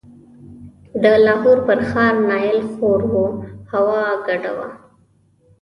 د لاهور پر ښار نایل خور و، هوا ګډه وه.